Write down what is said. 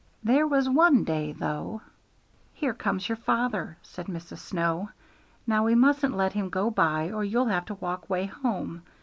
There was one day, though" "Here comes your father," said Mrs. Snow. "Now we mustn't let him go by or you'll have to walk 'way home."